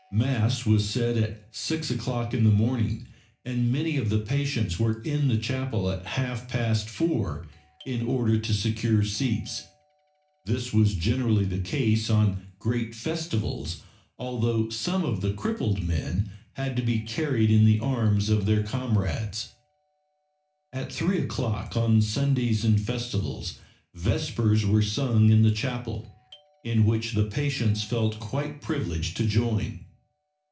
Mass was said at 6 o'clock in the morning, and many of the patients were in the chapel at half past four, in order to secure seats. This was generally the case on great festivals, although some of the crippled men had to be carried in the arms of their comrades. At 3 o'clock on Sundays and festivals Vespers were sung in the chapel, in which the patients felt quite privileged to join.